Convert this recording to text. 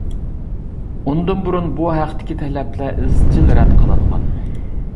ئۇندىن بۇرۇن بۇ ھەقتىكى تەلەپلەر ئىزچىل رەت قىلىنغان.